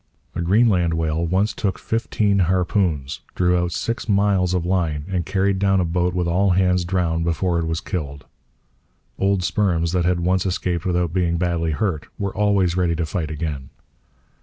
A Greenland whale once took fifteen harpoons, drew out six miles of line, and carried down a boat with all hands drowned before it was killed. Old sperms that had once escaped without being badly hurt were always ready to fight again.